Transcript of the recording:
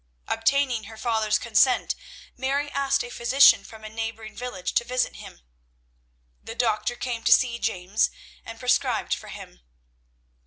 Obtaining her father's consent, Mary asked a physician from a neighbouring village to visit him. The doctor came to see James and prescribed for him.